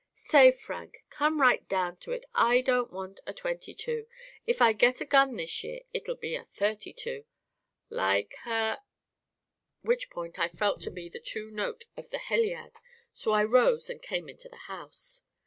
'Say Frank, come right down to it I don't want a .22. If I get a gun this year it'll be a .32.' 'Like he 'Which point I felt to be the too note of the helliad, so I rose and came into the house.